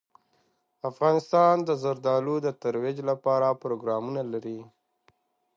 افغانستان د زردالو د ترویج لپاره پروګرامونه لري.